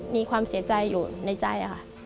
มีความเสียใจอยู่ในใจค่ะ